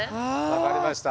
分かりました。